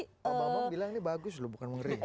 pak bambang bilang ini bagus loh bukan mengering